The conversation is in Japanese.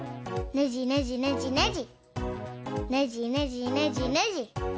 ねじねじねじねじ。